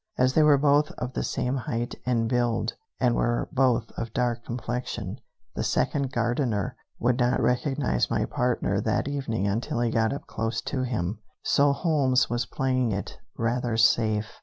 As they were both of the same height and build, and were both of dark complexion, the second gardener would not recognize my partner that evening until he got up close to him, so Holmes was playing it rather safe.